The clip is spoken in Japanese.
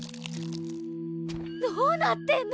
どうなってんの！？